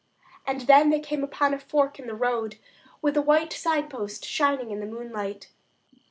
And then they came upon a fork in the road with a white signpost shining in the moonlight.